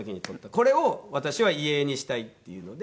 これを私は遺影にしたいっていうので。